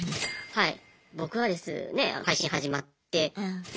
はい。